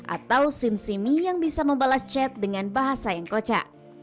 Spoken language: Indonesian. atau sim simi yang bisa membalas chat dengan bahasa yang koca